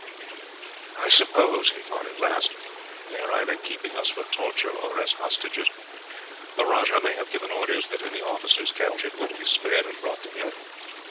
"I suppose," he thought at last, "they are either keeping us for torture or as hostages. The rajah may have given orders that any officers captured were to be spared and brought to him.